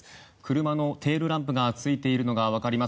車のテールランプがついているのがわかります。